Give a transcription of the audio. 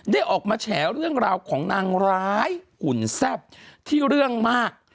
ได้ออกมาแฉเรื่องราวของนางร้ายหุ่นแซ่บที่เรื่องมาก